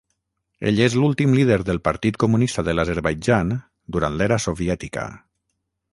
Ell és l'últim líder del Partit Comunista de l'Azerbaidjan durant l'era soviètica.